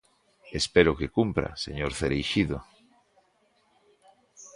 Espero que cumpra, señor Cereixido.